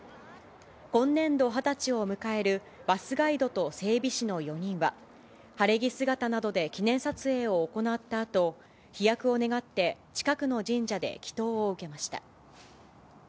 今年度、２０歳を迎えるバスガイドと整備士の４人は、晴れ着姿などで記念撮影を行ったあと、飛躍を願って、近くの神社で祈とうを受けました。